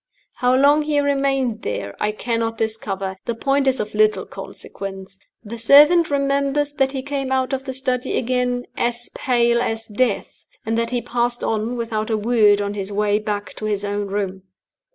How long he remained there I cannot discover. The point is of little consequence. The servant remembers that he came out of the study again 'as pale as death,' and that he passed on without a word on his way back to his own room.